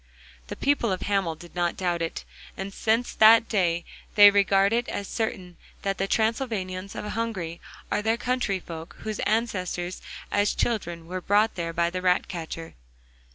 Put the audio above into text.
The people of Hamel did not doubt it; and since that day they regard it as certain that the Transylvanians of Hungary are their country folk, whose ancestors, as children, were brought there by the ratcatcher.